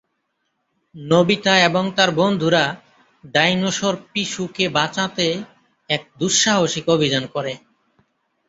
Nobita এবং তার বন্ধুরা ডাইনোসর পিসুকে-কে বাঁচাতে এক দুঃসাহসিক অভিযান করে।